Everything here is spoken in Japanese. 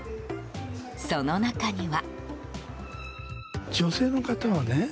その中には。